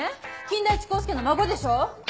金田一耕助の孫でしょ！